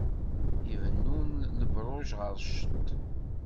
Ibennun lebṛuj ɣer cceṭ.